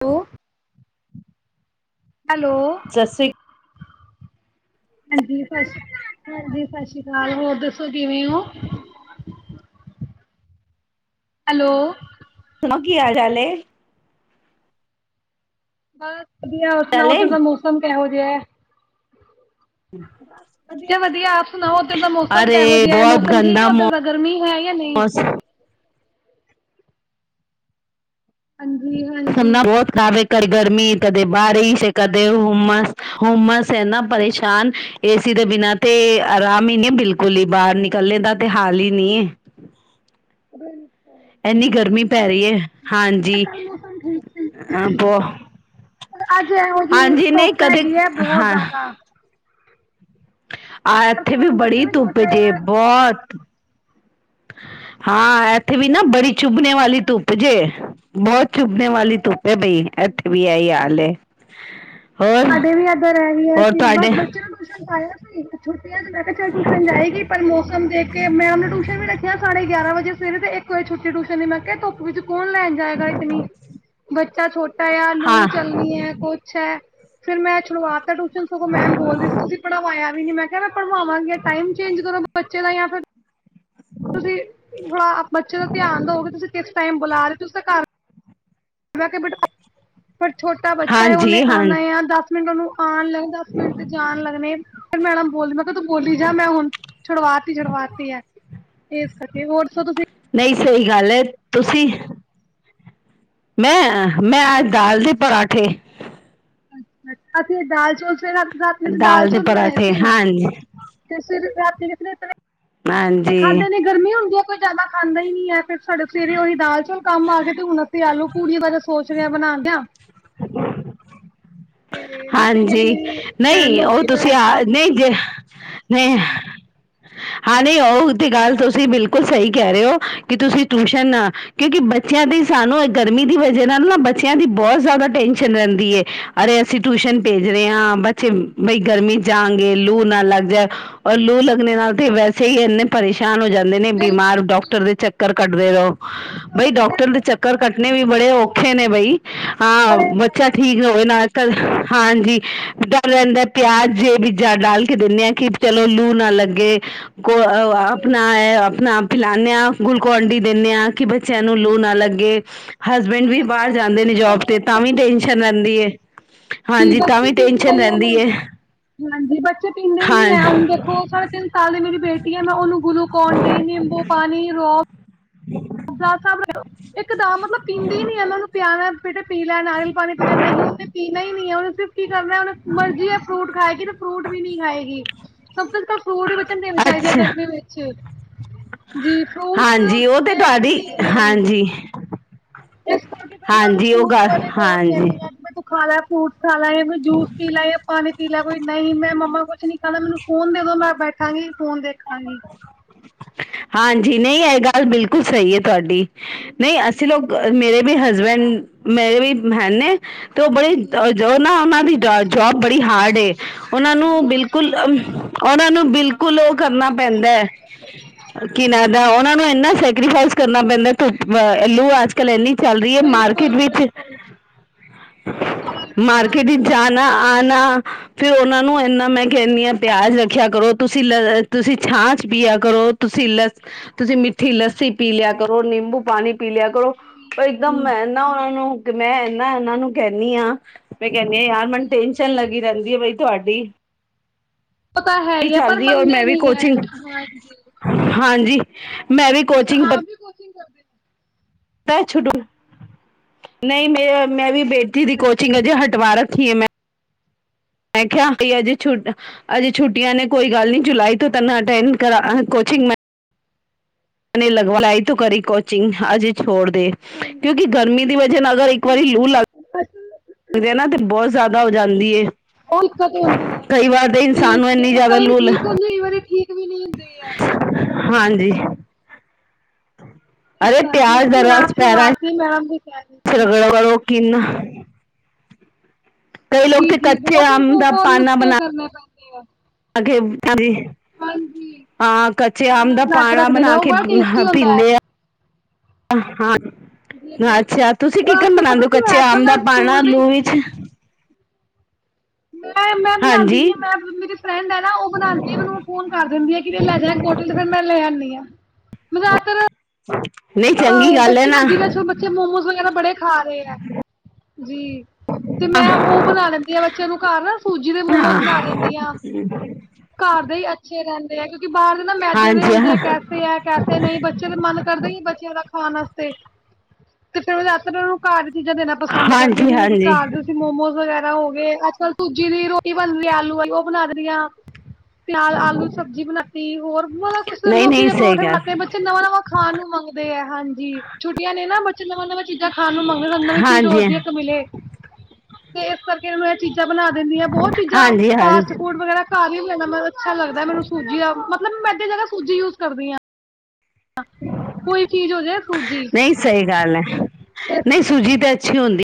Hello hello ਸਤਿ ਸ੍ਰੀ ਹਾਂਜੀ ਸਤਿ ਸ਼੍ਰੀ ਅ ਹਾਂਜੀ ਸਤ ਸ਼੍ਰੀ ਅਕਾਲ ਹੋਰ ਦੱਸੋ ਕਿਵੇਂ ਹੋ ਹੈਲੋ ਕੀ ਹਾਲ ਚਾਲ ਹੈ ਬਾਤ ਵਧੀਆ ਚਲੇ ਸੁਣਾਓਥ ਦਾ ਮੌਸਮ ਕ ਹੋ ਜ ਵਧੀਆ ਵਧੀਆ ਆਪ ਸੁਣਾਓ ਉੱਧਰ ਦਾ ਮੌਸਮ ਕਿਹੋ ਅਰੇ ਜਿਹਾ ਬਹੁਤ ਮੌਸਮ ਠੀਕ ਹੈ ਗੰਦਾ ਓਧਰ ਦਾ ਗਰਮੀ ਹੈ ਜਾਂ ਨਹੀਂ ਮੌਸਮ ਹਾਂਜੀ ਸਮ ਹਾਂਜੀ ਬਹੁਤ ਖਬ ਕਰ ਗਰਮੀ ਕਦੇ ਬਾਰਿਸ਼ ਕਦੇ ਹੁਮਸ ਹੁਮਸ ਹੈ ਨਾ ਪਰੇਸ਼ਾਨ ਏਸੀ ਦੇ ਬਿਨਾ ਤੇ ਆਰਾਮ ਹੀ ਨਹੀਂ ਬਿਲਕੁਲ ਹੀ ਬਾਹਰ ਨਿਕਲਣੇ ਦਾ ਤੇ ਹਾਲ ਹੀ ਨੀ [unintelligible] ਇੰਨੀ ਗਰਮੀ ਬਿਲਕੁਲ ਪੈ ਰਹੀ ਹੈ ਬਿਲਕੁਲ ਹਾਂਜੀ ਕੱਲ ਮੌਸਮ ਠੀਕ ਸੀ ਬ ਪਰ ਅੱਜ ਇਹੋ ਜਿਹੀ ਹਾਂਜੀ ਨਹੀਂ ਧੁੱਪ ਕਦੇ ਹੈਗੀ ਹੈ ਬਹੁਤ ਹਾਂ ਜ਼ਿਆਦਾ ਆ ਕਰਕੇ ਇੱਥੇ ਵੀ ਹੁਣ ਬੱਚੇ ਬੜੀ ਧੁੱਪ ਛੋਟਾ ਆ, ਜੇ ਬੱਚਾ ਬਹੁਤ ਹਾਂ ਇੱਥੇ ਵੀ ਨਾ ਬੜੀ ਚੁਭਣੇ ਵਾਲੀ ਧੁੱਪ ਜੇ ਬਹੁਤ ਚੁੱਭੇ ਵਾਲੀ ਧੁੱਪ ਹੈ ਬਈ ਹੈ ਅੱਥ ਵੀ ਆਈ ਆਾਲ ਸਾਡੇ ਵੀ ਇੱਧਰ ਰਹਿ ਗਈਏਸੀ ਬਸ ਬੱਚੇ ਨੂੰ ਟਸ਼ਨ ਪਾਇਆ ਸੀ ਛੁੱਟੀਆਂ ਤੇ ਮੈਂ ਕਿਹਾ ਚਲ ਟਿਊਸ਼ਨ ਜਾਏਗੀ ਪਰ ਮੌਸਮ ਦੇਖ ਕੇ ਮੈਂ ਉਹਨੂੰ ਵੀ ਰੱਖੀਆਂ ਸਾਡ ਗ ਗਿਆਰਾਂ ਵਜੇ ਸਵੇਰੇ ਤੇ ਇੱਕ ਵਜ ਛੁੱਟੀ ਟੂਊਸ਼ਨ ਨ ਮੈਂ ਕਿਹਾ ਧੁੱ ਵਿੱਚ ਕੌਣ ਲੈਣ ਜਾਏਗਾ ਇਤਨੀ ਬੱਚਾ ਛੋਟਾ ਆ ਹਾਂ ਲੂ ਚੱਲਣੀ ਹੈ ਕੁਛ ਹੈ ਫੇਰ ਮੈਂ ਚਲਵਾਤਾ ਟੁ ਸਗੋਂ ਮੈਮ ਬੋਲਦੀ ਸੀ ਤੁਸੀਂ ਪੜਾਵਾਇਆ ਨੀ ਮੈਂ ਕਿਹਾ ਪੜਵਾਵਾਂਗੇ ਟਾਈਮ ਚੇਂਜ ਕਰੋ ਬ ਚਲੋ ਜਾਂ ਫਿਰ ਤੁਸੀਂ ਬੱਚੇ ਦਾ ਧਿਆਨ ਦੋਗੇ ਤੁਸੀਂ ਕਿਸ ਟਾਈਮ ਬੁਲਾ ਰਹੇ ਹੋ ਤੁਸੀਂ ਤਾਂ ਘਰ ਮੈਂ ਕਿਹਾ ਬੇਟੇ ਪਰ ਛੋਟਾ ਬੱਚਾ ਹੈ ਉਹਨੇ ਹਾਂਜੀ ਹਾਂ ਆਉਣਾ ਆ ਦਸ ਮੈਂਨਨੂੰ ਆਉਣ ਲੱਗਦਾ ਮਿੰਟ ਤੇ ਜਾਣ ਲੱਗਣੇ ਮੈਡਮ ਬੋਲ ਮ ਤ ਬੋਲੀ ਜਾ ਮੈਂ ਹੁਣ ਛੁਡਵਾਤੀ ਛੁਡਵਾਤੀ ਆ ਇਸ ਕਰਕੇ ਹੋਰ ਦੱਸੋ ਤੁਸੀਂ ਨਹੀਂ ਸਹੀ ਗੱਲ ਹੈ ਤੁਸੀਂ ਮੈਂ ਅੱਜ ਦਾਲ ਦੇ ਪਰਾਂਠੇ ਅੱਛਾ ਤੇ ਦਾਲ ਚੌਲ ਫ ਦਾਲ ਦੇ ਪਰਾਂਠੇ ਹਾਂਜੀ ਤੇ ਫਿਰ ਕਿਸੇ ਤ੍ਹਾਂ ਹਾਂਜੀ ਖਾਧੇ ਦੀ ਗਰਮੀ ਹੁੰਦੀ ਹੈ ਕੋਈ ਜ਼ਿਆਦਾ ਖਾਂਦਾ ਹੀ ਨੀ ਹੈ ਤੇ ਸਾਡੇ ਸਵੇਰੇ ਉਹੀ ਦਾਲ ਚੌਲ ਕੰਮ ਆਏ ਤੇ ਹੁਣ ਅਸੀਂ ਆਲੂ ਪੂੜੀਆਂ ਬਾਰੇ ਵੋਂ ਸੋਚ ਰਿਹਾ ਬਣਾਉਣ ਜਾ ਹਾਂਜੀ ਅਹ, ਨਹੀਂ ਉਹ ਲੌਕੀ ਦਾ ਤੁਸੀਂ ਆ ਰਾਇਤਾ ਨਹੀਂ ਜੇ ਹ ਜ [inaudible] ਨਹੀਂ ਹਾਂਜੀ ਹਾਂ ਨਹੀਂ ਉਹਊ ਤੇ ਗੱਲ ਤੁਸੀਂ ਬਿਲਕੁਲ ਸਹੀ ਕਹਿ ਰਹੇ ਹੋ ਕਿ ਤੁਸੀਂ ਟਊਸ਼ਨ ਨਾ ਕਿਉਂਕਿ ਬੱਚਿਆਂ ਦੀ ਸਾਨੂੰ ਗਰਮੀ ਦੀ ਵਜ੍ਹਾ ਨਾਲ ਨਾ ਬੱਚਿਆਂ ਦੀ ਬਹੁਤ ਜ਼ਿਆਦਾ ਟੈਨਸ਼ਨ ਰਹਿੰਦੀ ਹੈ ਅਰੇ ਅਸੀਂ ਟਿਊਸ਼ਨ ਭੇਜ ਰਹੇ ਹਾਂ ਬੱਚੇ ਬਈ ਗਰਮੀ ਜਾਗੇ ਲੂ ਨਾ ਲੱਗ ਜਾਏ ਔਰ ਲੂ ਲੱਗਣੇ ਨਾਲ ਤੇ ਵੈਸੇ ਹੀ ਇੰਨੇ ਪਰੇਸ਼ਾਨ ਪਰਸ਼ਾਨ ਹੋ ਜਾਂਦੇ ਨੇ ਬਿਮਾਰ ਡਾਕਟਰ ਦੇ ਚੱਕਰ ਕੱਟਦੇ ਰਹੋ ਬਈ ਡਾਕਟਰ ਦੇ ਚੱਕਰ ਕੱਢਣੇ ਵੀ ਬੜੇ ਔਖ ਖੇ ਨੇੇ ਬਈ, ਹਾਂ, ਬੱਚਾ ਠੀਕ ਹੋਵੇ ਨਾ। ਕੱਲ ਹਾਂਜੀ ਤੁਹਾਨੂੰ ਰਹਿੰਦਾ ਪਿਆਜੇ ਬੀਜ ਡਾਲ ਕੇ ਦਿੰਦੇ ਹਾਂ ਕਿ ਚਲੋ ਲੂ ਨਾ ਲੱਗੇ ਕੋ ਆਪਣਾ ਇਹ ਆਪਣਾ ਪਿਲਾਨੇ ਆ। ਗੁਲਕੰਡੀ ਦਿੰਦੇ ਹਾਂ ਕਿ ਬੱਚਿਆਂ ਨੂੰ ਲੂ ਨਾ ਲੱਗੇ ਹਸਬੈਂਡ ਵੀ ਬਾਹਰ ਜਾਂਦੇ ਨੇ ਜੋਬ ਤੇ ਤਾਂ ਵੀ ਟੈਨਸ਼ਨ ਰਹਿੰਦੀ ਹੈ। [unintelligible] ਬੱਚੇ ਪੀਣ ਏ ਹਾਂਜੀ ਬੱਚੇ ਪੀਂਦੇ ਹੀ ਹਾਂ ਨੀ ਐ ਹੁਣ ਦੇਖੋ ਸਾੇ ਤਿੰਨ ਸਾਲ। ਮੇਰੀ ਬੇਟੀ ਹੈ ਮੈਂ ਉਹਨੂੰ ਗਲੂਕੋਨ ਡੀ ਨਿੰਬੂ ਪਾਣੀ ਰੋ [unintelligible] [unintelligible] ਤਾਬ ਮਤਲਬ ਪੀਂਦੀ ਨੀ ਐ ਮਤਲਬ ਮੈ ਉਹਨੂੰ ਪਿਆਣਾ। ਬੇਟਾ ਲੈ ਨਾਰੀਅਲ ਪਾਣੀ ਪੀ ਲਿਆ ਨਹੀਂ ਉਹਨੇ ਪੀਣਾ ਹੀ ਨਹੀਂ ਐ ਔਨੇ ਤੇ, ਕੀ ਕਰਨਾ ਉਹਨਾ ਮਰਜ਼ੀ ਇਹ ਫਰੂਟ ਖਾਏਗੀ ਤੇ ਫਰੂਟ ਵੀ ਨੀ ਖਾਏਗੀ ਸਭ ਤੋਂ ਫਰੂਟ ਵੀ ਵਿੱਚ ਦੇਣੈ ਚਾਹੀਦੇ ਹੈ ਅੱਛਾ ਗਰਮੀ ਵਿੱਚ ਜੀ ਫਰੂਟਸ ਹਾਂਜੀ ਉਹ ਤੇ ਦੇਖ। ਹਾਂਜੀ, ਇਸ ਕਰਕੇ ਫਿਰ ਮੈਂ ਉਹਨੂੰ ਹਾਂਜੀ ਉਹ ਫਰੂਟਸ ਗੱਲ ਬਾਰੇ ਬਹੁਤ ਕਹਿਨੀ ਹਾਂਜੀ ਆ ਵੀ ਤੁ ਖਾਲਾ ਫਰੁਟ। [unintelligible] ਖਾ ਲਾ ਮੈਂ ਜੂਸ ਪੀਲਾ ਜਾਂ ਪਾਣੀ ਪੀ ਲੈ ਕੋਈ ਨਹੀਂ ਮੈਂ ਮੰਮਾ, ਕੁਛ ਨੀ ਖਾਨਾ ਮੈਨੂੰ ਫੋਨ ਦੇ ਦੋ ਮੈਂ ਬੈਠਾਂਗੀ ਫੋਨ ਦੇ, ਹਾ ਹਾਂਜੀ ਨਹੀਂ ਇਹ ਗੱਲ ਬਿਲਕੁਲ ਸਹੀ ਹੈ ਤੁਹਾਡੀ, ਨਹੀਂ ਅਸੀਂ ਲੋਕ ਮੇਰੇ, ਹਸਬੈਂਡ ਮੇਰੇ ਵੀ ਹੈੈ ਨੇ, ਤੇ ਉਹ ਬੜੇ ਜੋ ਨਾ ਉਹਨਾਂ ਦੀ ਜੋਬ ਬੜੀ ਹਾਰਡ ਏ ਉਹਨਾਂ ਨੂੰ ਬਿਲਕੁਲ ਉਹਨਾਂ ਨੂੰ ਬਿਲ ਬਿਲਕੁਲ ਉਹ ਕਰਨਾ ਪੈਂਦਾ ਕਿਨਾਂ ਦਾ ਉਹਨਾਂ ਨੂੰ ਇੰਨਾ ਸੈਕਰੀਫਾਈਸ ਕਰਨਾ ਪੈਂਦਾ ਧੂੱਪ ਦਾ ਲੂ ਅੱਜ ਕੱਲ ਇੰਨੀ ਚੱਲ ਰੀ ਐ ਮਾਰਕੀਟ ਵਿੱਚ ਮਾਰਕੀਟ ਵਿੱਚ ਜਾਣਾ ਆਣਾ ਫੇਰ ਉਹਨਾਂ ਨੂੰ ਇੰਨਾ ਮੈਂ ਕਹਿੰਦੀ ਹਾਂ ਪਿਆਜ ਰੱਖਿਆ ਕਰੋ ਤੁਸੀਂ ਲ ਤੁਸੀਂ ਛਾਂ ਚ ਪੀਆ ਕਰੋ ਤੁਸੀਂ ਲ ਤੁਸੀਂ ਮਿੱਠੀ ਲੱਸੀ ਪੀ ਲਿਆ ਕਰੋ ਨਿੰਬੂ ਪਾਣੀ ਪੀ ਲਿਆ ਕਰੋ ਪਰ ਇੱਕਦਮ ਮੈਂ ਨਾ ਉਹਨਾਂ ਨੂੰ ਮੈਂ ਇਹਨਾ-ਇਹਨਾਂ ਨੂੰ ਕਹਿੰਦੀ ਹਾਂ ਮੈਂ ਕਹਿੰਦੀ ਆ ਯਾਰ ਮੈਨੂੰ ਟੈਨਸ਼ਨ ਲੱਗੀ ਰਹਿੰਦੀ ਆ ਬਈ ਤੁਹਾਡੀ ਪਤਾ ਹੈ ਹੀ ਹੈ ਪਰ ਚੱਲਦੀ ਔਰ ਮੰਨਦੇ ਮੈਂ ਵੀ ਨਹੀਂ ਹੈ ਕੋਚਿੰਗ ਹਾਂਜੀ ਹਾਂਜੀ। [unintelligible] ਅੱਛਾ ਕੋਚਿੰਗ ਆਪ ਵੀ ਕੋਚਿੰਗ ਕਰ ਪਤਾ ਛੁਡੂ ਨਹੀਂ ਮੇ ਮੈਂ ਵੀ ਬੇਟੀ ਦੀ ਹੋ ਕੋਚਿੰਗ ਅੱਛਾ ਅਜੇ ਹਟਵਾ ਰੱਖੀ ਆ ਮੈਂ ਮੈਂ ਕਿਹਾ ਕਿ ਅਜੇ ਛੁ ਅਜੇ ਛੁੱਟੀਆਂ ਨੇ ਕੋਈ ਗੱਲ ਨਹੀਂ ਜੁਲਾਈ ਤੋਂ ਤੈਨੂੰ ਅਟੈਂਡ ਕਰਾ ਕੋਚਿੰਗ ਮੈਂ ਲਗਵਾ ਲਾਈ ਤੂੰ ਕਰੀ ਕੋਚਿੰਗ ਹਜੇ ਛੋੜ ਹਾਂਜੀ ਕਿਉਂਕਿ ਗਰਮੀ ਦੀ ਵਜ੍ਹਾ ਨਾਲ ਅਗਰ ਇੱਕ ਵਾਰੀ ਲੂ ਲੱਗ ਅੱਛਾ ਗਿਆ ਨਾ ਤੇ ਬਹੁਤ ਜ਼ਿਆਦਾ ਹੋ ਜਾਂਦੀ ਏ [inaudible] ਵੀ ਨਹੀਂ ਕਈ ਵਾਰ ਤੇ ਇਨਸਾਨ ਨੂੰ ਇੰਨੀ ਜ਼ਿਆਦਾ ਲੂ ਹੁੰਦੇ ਆ ਹਾਂਜੀ ਅਰੇ ਕਰ ਮੈਂ ਸ਼ੁਰੂਆਤੀ ਮੈਮ ਦੀ [inaudible] ਕਿਨ ਕਈ ਲੋਕ ਜੀ ਤੇ ਜੀ ਕੱਚੇ ਬਹੁਤ ਆਮ ਉਹ ਦਾ ਉਹ ਪਾਨਾ ਨੁਸਖੇ ਬਣਾ [unintelligible] [unintelligible] ਹਾਂਜੀ ਹਾਂ ਕੱਚੇ ਆਮ ਖਾਣਾ ਦਾ ਬਣਾ ਕੇ ਪਾਣਾ ਰੱਖਦੇ ਨੇ ਬਣਾ ਉਹ ਕੇ ਬੜਾ ਟੇਸਟੀ ਹੁੰਦਾ ਹੈ ਪੀਂਦੇ ਆ ਹਾਂ ਜੀ ਬਿਲਕੁਲ ਅੱਛਾ ਤੁਸੀਂ ਅੱਜ ਕਿਕਨ ਕੱਲ ਪਤਾ ਬਣਾਉਂਦੇ ਹੋ ਕੀ ਕੱਚੇ ਹੋਇਆ ਅੱਜ ਕੱਲ ਆਮ ਦਾ ਨਾ ਪਾਣਾ ਸਕੂਲ ਦੀ ਲੂ ਵਿਚ ਮੈਂ ਮੈਂ ਬਣਾਂਦੀ ਨੀ ਹਾਂਜੀ ਆ ਮੈਂ ਮੇਰੀ ਫਰੈਂਡ ਐ ਨਾ ਉਹ ਬਣਾਂਦੀ ਮੈਨੂੰ ਫੋਨ ਕਰ ਦਿੰਦੀ ਆ ਕਿ ਲੈ ਜਾ ਕੋਟਲ ਤੇ ਫੇਰ ਮੈਂ ਲੈ ਆਣੀ ਆ ਮੈਂ ਜਿਆਦਾਤਰ ਨਹੀਂ ਚੰਗੀ ਗੱਲ ਹੈ ਬੱਚੇ ਨਾ ਜਿਵੇਂ ਮੋਮੋਜ ਵਗੈਰਾ ਬੜੇ ਖਾ ਰਹੇ ਆ ਜੀ ਤੇ ਮੈਂ ਉਹ ਬਣਾ ਲੈਂਦੀ ਆ ਬੱਚਿਆਂ ਨੂੰ ਘਰ ਸੂਜੀ ਦੇ ਮੋਮੋਜ ਹਾਂ ਬਣਾ ਲਿੰਦੀ ਆ ਘਰ ਦੇ ਅੱਛੇ ਰਹਿੰਦੇ ਆ ਕਿ ਬਾਹਰ ਦੇ ਨਾ ਮੈਦੇ ਦੇ ਹਾਂਜੀ ਹੁੰਦੇ ਆ ਹਾਂ ਕੈਸੇ ਹੈ ਕੈਸੇ ਨਹੀਂ ਬੱਚੇ ਦਾ ਮਨ ਕਰਦੇ ਹੀ ਬੱ ਖਾਣ ਵਾਸਤੇ ਤੇ ਫਿਰ [unintelligible] ਉਹਨੂੰ ਘਰ ਚੀਜ਼ਾਂ ਦੇਣਾ ਪਸੰਦ ਕਰਦੀ ਆ ਹਾਂਜੀ ਜਿਵੇਂ ਕਿ ਹਾਂਜੀ ਘਰ ਤੁਸੀਂ ਮੋਮੋਜ਼ ਵਗੈਰਾ ਹੋ ਗਏ ਅੱਜਕੱਲ ਸੂਜੀ ਦੀ ਰੋਟੀ ਬਣਦੀ ਆਲੂ ਵਾਲੀ ਉਹ ਬਣਾ ਦੇਣੀ ਆ ਨਾਲ ਆਲੂ ਸਬਜ਼ੀ ਬਣਾਤੀ ਹੋਰ ਮਤਲਬ ਕੁੱਛ ਨਹੀਂ ਲੋਕੀ ਨਹੀਂ ਦੇ ਸਹੀ ਪਰੌਠੇ ਗੱਲ ਬਣਾਤੇ ਬੱਚੇ ਨਵਾਂ ਨਵਾਂ ਖਾਣ ਨੂੰ [unintelligible] ਦੇ ਆ ਹਾਂਜੀ ਛੁੱਟੀਆਂ ਨੇ ਨਾ ਬੱ ਚਿਆਂ [unintelligible] ਚੀਜ਼ਾਂ ਖਾਣ ਨੂੰ ਮੰਗਣ ਸਾਨੂੰ ਨਵੀ ਚੀਜ਼ ਹਾਂਜੀ ਰੋਜ਼ ਦੀ ਇੱਕ ਮਿਲੇ ਤੇ ਇਸ ਕਰਕੇ ਮੈਂ ਚੀਜ਼ ਬਣਾ ਦਿੰਦੀ ਆ ਬਹੁਤ ਚੀਜ਼ਾਂ ਹਾਂਜੀ ਫਾਸਟ ਹਾਂਜੀ ਫੂਡ ਵਗੈਰਾ ਘਾ ਵੀ [inaudible] ਅੱਛਾ ਲੱਗਦਾ ਮੈਨੂੰ ਸੂਜੀ ਦਾ ਮਤਲੈਂ ਮੈਂਡੀ ਜਗ੍ਹਾ ਸੂਜੀ ਯੂਜ ਕਰਦੀ ਹਾਂ ਕੋਈ ਚੀਜ਼ ਹੋ ਜਾੇ ਨਹੀਂ ਸਹੀ ਗੱਲ ਹੈ ਨਹੀਂ ਸੁੂਜੀਤ ਅੱਛੀ ਹੁੰਦੀ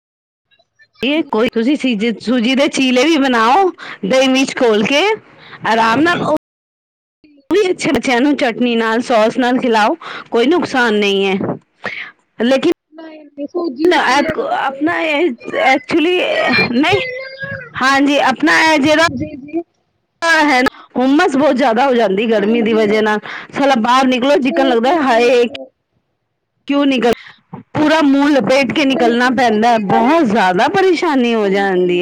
ਇਹ ਕੋਈ ਤੁਸੀਂ ਸੀਜੇ ਸੂਜੀ ਦੇ ਚੀਲੇ ਵੀ ਬਣਾਓ ਦਹੀਂ ਮਚ ਖੋਲ ਕੇ ਆਰਾਮ ਨਾਲ ਕੁਛੜ ਸਿਆਂ ਨੂੰੂੰ ਚਟਨੀ ਨਾਲ ਸੋਸ ਨਾਲ [unintelligible] ਕੋਈ ਨੁਕਸਾਨ ਨਹੀਂ ਹੈ ਲੇਕ ਦੀ ਆਪਣਾ ਐਕਚੁਲੀ ਨਹੀਂ ਹਾਂਜੀ ਆਪਣਾ ਜਿਹੜਾ ਹੈ ਹੁੰਮਸ ਬਹੁਤ ਜ਼ਿਆਦਾ ਹੋ ਜਾਂਦੀ ਗਰਮੀ ਦੀ ਵਜ੍ਹਾ ਨਾਲ ਸਾਲਾ ਬਾਹਰ ਨਿਕਲੋ ਚਕਨ ਲੱਗਦਾ ਹਾਏ ਕਿਉਂ ਨਿਗਲ ਪੂਰਾ ਮੂੰਹ ਲ ਬੈਠ ਕੇ ਨਿਕਲਣਾ ਪੈਂਦਾ ਬਹੁਤ ਜ਼ਿਆਦਾ ਪਰੇਸ਼ਾਨੀ ਹੋ ਜਾਂਦੀ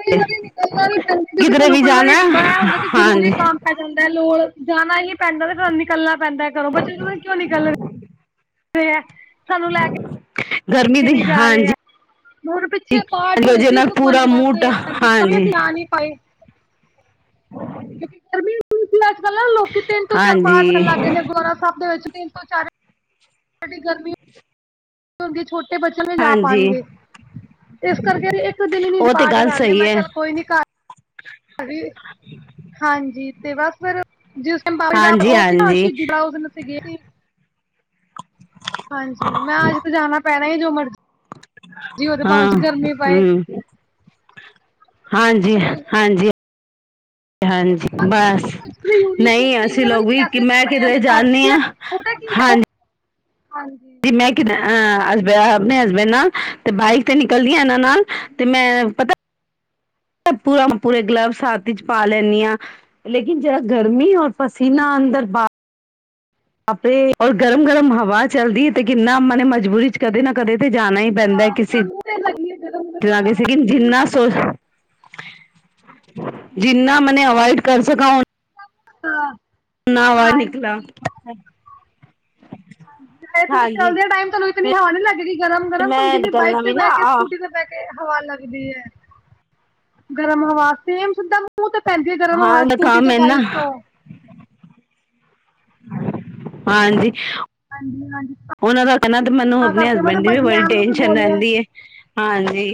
ਕਈ ਵਾਰੀ ਨਿਕਲਣਾ ਵੀ ਪੈਂਦਾ ਕਿਉਂਕਿ ਕਿਧਰੇ ਸਾਨੂੰ ਵੀ ਕੋਈ ਵਾਰੀ ਜਾਣਾ ਇਹ ਹੁੰਦਾ ਕਿ ਜ਼ਰੂਰੀ ਹਾਂਜੀ ਕੰਮ ਪੈ ਜਾਂਦਾ ਲੋੜ ਜਾਣਾ ਹੀ ਪੈਂਦਾ ਤੇ ਫਿਰ ਨਿਕਲਣਾ ਪੈਂਦਾ ਘਰੋਂ, ਬੱਚੇ ਪਤਾ ਨਹੀਂ ਕਿਉਂ ਨਿਕਲ ਰਹੇ ਸਾਨੂੰ ਲੈ ਗਰਮੀ ਕੇ। ਨੀ ਦੀ ਜਾ ਰਹੇ ਹਾਂਜੀ ਏ। ਹੁਣ ਪਿੱਛੇ ਪਾਠ ਹੋਏ ਵਜ੍ਹਾ ਸੀ ਨਾਲ ਪੂਰਾ ਸੁਖਮਨੀ ਸਾਹਬ ਮੂਡ ਦੇ, ਹਾਂਜੀ, ਤੇ ਤਾਂ ਵੀ ਅਸੀਂ ਆ ਨੀ ਪਾਏ । ਕਿਉਂਕੀ ਗਰਮੀ। ਕਲ ਨਾ ਲੋਕੀ ਤਿੰਨ ਤੋਂ ਚਾਰ ਪਾਠ ਕਰਨ ਹਾਂਜੀ ਲਗ ਗੇ ਨੇ ਗੋਆਰਾ ਸਾਹਿਬ ਦੇ ਵਿੱਚ। ਤਿੰਨ- ਤੋਂ ਚਾਰ, ਐਡੀ ਗਰਮੀ ਕਿਦੀ ਛੋਟੀ [unintelligible] ਇਹ ਬੱਚਾ ਨੀ ਜਾ ਹਾਂਜੀ ਪਾਣਗੇ, ਇਸ ਕਰਕੇ ਇੱਕ ਦਿਨ ਹੀ ਨੀ ਉਹ ਤੇ ਪਾਠ ਗੱਲ ਕਰ ਲਿਆ ਸਹੀ ਮੈਂ ਹੈ ਚੱਲ ਕੋਈ ਨੀ ਘਰ ਹਾਂਜੀ-ਹਾਂਜੀ । ਤੇ ਬਸ ਫਿਰ ਜਿਸ ਦਿਨ ਬਾਬਾ ਜੀ ਦਾ ਹਾਂਜੀ ਉਹ ਸੀ ਨਾ ਹਾਂਜੀ ਸ਼ਹੀਦੀ ਦਾ ਉਸ ਦਿਨ ਅਸੀਂ ਗਏ ਸੀ। ਹਾਂਜੀ। ਮੈਂ ਅੱਜ ਤੇ ਜਾਣਾ ਪੈਣਾ ਐ ਜੋ ਮਰਜ਼ੀ ਹੋਜੇ ਭਾਵੇਂ ਹਾਂ, ਗਰਮੀ ਪਏ। ਹੂੰ ਹਾਂਜੀ-ਹਾਂਜੀ, ਹਾਂਜੀ ਬਸ। ਯੂਨੀਫਾਰਮ ਨਹੀਂ, ਤੇ ਅਸੀਂ ਪਤਾ ਨੀ ਲੋਕ ਵੀ ਕਿ ਕੈਸੇ ਮੈਂ ਕੱਪੜਿਆਂ ਕਿਧਰੇ ਦੀ ਕਰਤੀ ਜਾਂਨੀ ਹੈ। ਹਾਂ, ਪਤਾ ਕੀ ਹੈ ਉਹ ਹਾਂਜੀ। ਜੀ । ਮੈਂ ਕਿਧਰ ਅਸਬੇ, ਆਪਣੇ ਹਸਬੈਂਡ ਨਾਲ, ਤੇ ਬਾਈਕ ਤੇ ਨਿਕਲਦੀਆਂ ਨਾ। ਨਾਲ, ਤੇ ਮੈਂ ਪਤਾ। ਪੂਰਾ ਪੂਰੇ ਗਲਵਸ ਹੱਥ ਵਿੱਚ ਚ ਪਾ ਲੈਂਨੀ ਹਾਂ ।ਲੇਕਿਨ ਜਿਹੜਾ ਗਰਮੀ ਹੋ ਪਸੀਨਾ, ਅੰਦਰ ਬਾਰ। ਆਪੇ, ਔਰ ਗਰਮ-ਗਰਮ ਹਵਾ ਚੱਲਦੀ ਹੈ, ਤੇ ਕਿੰਨਾ ਮਨੇ ਮਜ਼ਾ। ਮਜਬੂਰੀ ਚ ਕਦੇ ਨਾ ਕਦੇ ਤੇ ਜਾਣਾ ਹੀ ਪੈਂਦਾ। ਕਿਸੇੇ, ਕਿੱਦਾਂ ਮੂੰਹ ਤੇ ਲੱਗੀ ਹੈ ਗਰਮ ਜਿੰਨਾ ਦੀ ਗਰਮ ਸੀਗ [unintelligible] ਜਿੰਨਾ ਮਨੇ ਅਵੋਇਡ। ਕਰ ਸਕਕਾ, ਓ ਹਾਂ। ਨਾ ਬਾਰ ਨਿਕਲਾ। ਹਾਂਜੀ। ਐ ਤੁਸੀਂ ਹਾਂਜੀ ਚਲਦੇ ਤੇ ਟਾਈਮ ਤਾਨੂੰ ਇਤਨੀ ਹਵਾ ਨੀ ਲੱਗੇ ਗੀ ਗਰਮ -ਗਰਮ, ਤਾਨੁੰ ਮੈਂ ਜਿੰਨੀ ਬਾਈਕ ਨਿਕਲਣਾ ਤੇ ਵੀ ਨਾ ਬਹਿ ਕੇ -ਸਕੂਟੀ ਤੇ ਬਹਿ ਕੇ ਹਵਾ ਲੱਗਦੀ ਐ। ਗਰਮ ਹਵਾ, ਸੇਮ ਸਿਧਾ ਮੂੰਹ ਤੇ ਪੈਂਦੀ ਏ ਗਰਮ ਹਵਾ ਹਾਂ ਸਕੂਟੀ ਤੇ ਕੰਮ ਬਾਈਕ ਇਨਾ ਤੋਂ । ਹਾਂਜੀ। ਹਾਂਜੀ- ਹਾਂਜੀ। ਉਹ ਦਾ ਕਹਿਣਾ ਤੇ ਮੈਨੂੰ ਤਾਂ ਆਪਣੇ ਕਰਕੇ ਮੈਂ ਤੇ ਹਸਬੈਂਡ ਦੀ ਵੀ ਬੜੀ ਮੈਮ ਨੂੰ ਵੀ ਟੈਨਸ਼ਨ ਬੋਲਿਆ ਰਹਿੰਦੀ ਹੈ ਹਾਂਜੀ।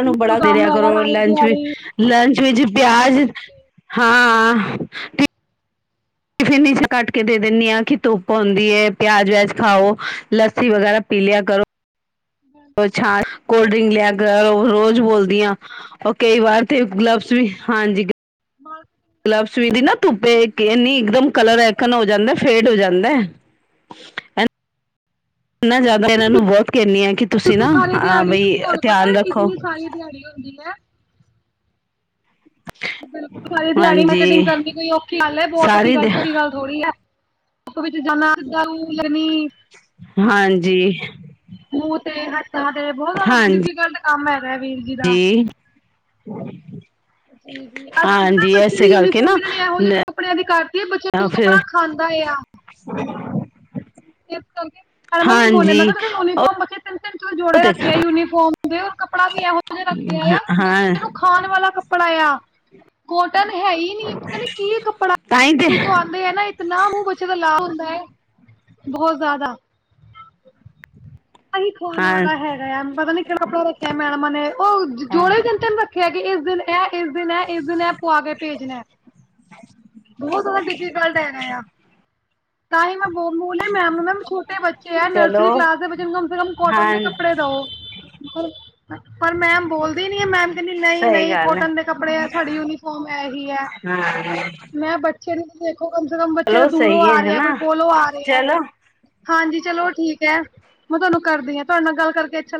ਸੂੰ ਬੜਾ ਦੇਰਿਆ ਹੈਗਾ ਕਰੋ ਸਾਰੀ ਲੰਚ ਵਿੱਚ ਦਿਹਾੜੀ ਲੰਚ ਵਿੱਚ ਪਿਆਜ ਹਾਂ ਠੀਕ ਟਿਫਿਨ ਵਿੱਚ ਕੱਟ ਕੇ ਦੇ ਦਿੰਦੀ ਹਾਂ ਕਿ ਧੁੱਪ ਹੁੰਦੀ ਹੈ ਪਿਆਜ਼ ਵਿਆਜ ਖਾਓ ਲੱਸੀ ਵਗੈਰਾ ਪੀ ਲਿਆ ਕਰੋ। ਉਹ ਛਾਂ ਕੋਲਡ ਡਰਿੰਕ ਲਿਆ ਕੇ ਰੋਜ਼ ਬੋਲਦੀਆਂ ਉਹ ਕਈ ਵਾਰ ਤੇ ਗਲਬਸ ਵੀ ਹਾਂਜੀ ਗਲਬਸ ਵੀ ਦੀ ਨਾ ਧੁੱਪੇ ਨੀ ਇੱਕ ਦਮ ਕਲਰ ਐਕਨ ਹੋ ਜਾਂਦਾ ਫੇਡ ਹੋ ਜਾਂਦਾ। [unintelligible] ਨਾ ਜ਼ਿਆਦਾ ਇਹਨਾਂ ਨੂੰ ਬਹੁਤ ਕਹਿੰਦੀ ਆ ਕਿ ਤੁਸੀਂ ਨਾ ਬਿਲਕੁਲ ਸਾਰੀ ਦਿਹਾੜੀ ਬਈ ਤੁਹਾਨੂੰ ਪਤਾ ਧਿਆਨ ਹੈ ਰੱਖੋ। ਇਤਨੀ ਸਾਰੀ ਦਿਹਾੜੀ ਹੁੰਦੀ ਹੈ ਬਿਲਕੁਲ ਸਾਰੀ ਦਿਹਾੜੀ ਮੈਂ ਕਟਿੰਗ ਹਾਂਜੀ ਕਰਨੀ ਕੋਈ ਔਖੀ ਗੱਲ ਹੈ ਬਹੁਤ ਸਾਰੇ ਔਖੀ ਦੇ ਗੱਲ ੀ ਗੱਲ ਥੋੜੀ ਹੈ ਸਵਿਧਾ ਜ ਹਾਂਜੀ ਮੂੰਹ ਤੇ ਹਾਂਜੀ ਤਾਂ ਤੇ ਬਹੁਤ ਜ਼ਿਆਦਾ ਹਾਂਜੀ ਡਿਫੀਕਲਟ ਕੰਮ ਹੈ ਵੀਰ ਜੀ ਦਾ ਜ ਅਜ ਤੋਂ ਪਤਾ ਹਾਂਜੀ ਬੱਚੇ ਦੀ ਯੂਨੀਫਾਰਮ ਇਹਨਾਂ ਨੇ ਇਹੋ ਜਿ ਕੱਪੜਿਆਂ ਦੀ ਹੈ ਬੱਚੇ ਤਾਂ ਨੂੰ ਫਿਰ ਕੱਪੜਾ ਖਾਂਦਾ ਆ ਹੱ ਮੈਂਨੂੰ ਬੋਲਿਆ ਮੈਂ ਕਿਹਾ ਤੁਸੀ ਉਹ ਯੂਨੀਫਾਰਮ ਬੱਚੇ ਤਿੰਨ ਤਿੰ ਚੋ ਜੋੜੇ ਤੇ ਰੱਖੇ ਯੂਨੀਫਾਰਮ ਕੱਪੜਾ ਵੀ ਇਹੋ ਜਿਹਾ ਰੱਖਿਆ ਆ ਹਾਂ ਬੱਚੇ ਨੂੰ ਖਾਣ ਵਾਲਾ ਕੱਪੜਾ ਆ ਕੋ ਹੈ ਹੀ ਨੀ ਪਤਾ ਨ ਕੀ ਕੱਪੜਾ ਤਾਂਹੀ ਤੇ ਸਕੂਲ ਤੋਂ ਆਉਂਦੇ ਹੈ ਨਾ ਇਤਨਾ ਮੂੰਹ ਬੱਚੇ ਦਾ ਲਾ ਹੁੰਦਾ ਹੈ ਬਹੁਤ ਜ਼ਿਆਦਾ ਅਹੀ ਖਾਣ ਹਾਂ ਵਾਲਾ ਹੈਗਾ ਪਤਾ ਨੀ ਕਿਹੜਾ ਕੱੜਾ ਰੱਖਿਆ ਮੈਡਮਾ ਨੇ ਉਹ ਹਾਂ ਜੋੜੇ ਜਿੰਤੇ ਨੂੰ ਰੱਖਿਆ ਆ ਕਿ ਇਸ ਦਿਨ ਇਹ ਇਸ ਦਿਨ ਹੈ ਇਸ ਦਿਨ ਹੈ ਪ ਆ ਕੇ ਭੇਜਣਾ ਬਹੁਤ ਜ਼ਿਆਦਾ ਡਿਫੀਕਲਟ ਹੈਗਾ ਯ ਕ ਮੈਂ ਬ ਬੋਲੇ ਮੈ ਛੋਟੇ ਬੱਚੇ ਹੈ ਚਲੋ ਨਰਸਰੀ ਕਲਾਸ ਦੇ ਕਮੇ ਕਮ ਕੋਟਨ ਹਾਂ ਦੇ ਕੱਪੜੇ ਦੋ ਪਰ ਮੈਮ ਬੋਲਦੀ ਨੀ ਆ ਮੈਮ ਕਹਿੰਦੀ ਨਹੀਂ ਸਹੀ ਨਹੀਂ ਗੱਲ ਹੈ ਕੋਟਨ ਦੇ ਕੱਪੜੇ ਤੁਹਾ ਯੂਨੀਫਾਰਮ ਐ ਹੀ ਹੈ ਹਾਂ ਮੈਂ ਚਛੜ ਕਮ ਸੇ ਕਮ ਬੱਚੇ ਚਲੋ ਤਾਂ ਦੂਰੋਂ ਸਹੀ ਆ ਰਹੇ ਹੈ ਹਨਾ ਕੋਈ ਕੋਲ ਆ ਰਹੇ ਹੈ ਚਲੋ ਹਾਂਜੀ ਚਲੋ ਠੀਕ ਹੈ ਮੈਂ ਤੁਹਾਨੂੰ ਕਰਦੀਾਂ ਤੁਹਾਡੇ ਨਾਲ ਗੱਲ ਕਰਕੇ ਅੱਛਾ